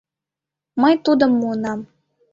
Мый тудым муынам.